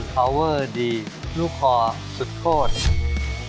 พาวเวอร์ดีลูกคอสุดโคตร